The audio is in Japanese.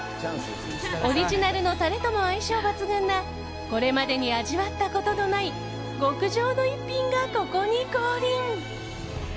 オリジナルのタレとも相性抜群なこれまでに味わったことのない極上の一品がここに降臨！